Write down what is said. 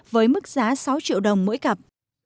với mức giá sáu triệu đồng mỗi cặp